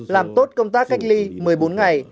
làm tốt công tác cách ly một mươi bốn ngày